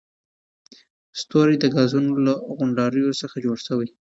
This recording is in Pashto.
ستوري د ګازونو له غونډاریو جوړ شوي دي.